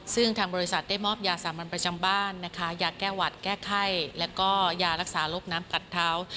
ซึ่งทางบริษัทได้มอบยาสามัญประจำบ้านนะคะยาแก้หวัดแก้ไข้แล้วก็ยารักษาโรคน้ำกัดเท้า